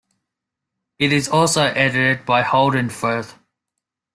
It is also edited by Holden Frith.